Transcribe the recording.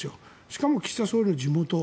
しかも岸田総理の地元。